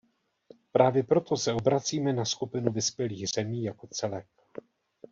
Právě proto se obracíme na skupinu vyspělých zemí jako celek.